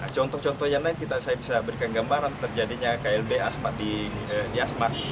contoh contoh yang lain saya bisa berikan gambaran terjadinya klb asmat di asmat